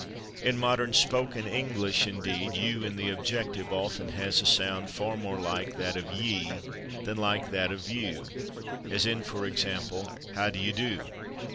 In modern spoken English, indeed, /you/ in the objective often has a sound far more like that of /ye/ than like that of /you/, as, for example, in "how do y' do?"